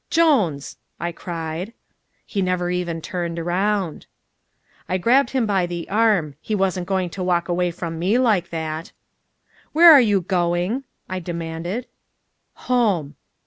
"Jones!" I cried. He never even turned round. I grabbed him by the arm. He wasn't going to walk away from me like that. "Where are you going?" I demanded. "Home!"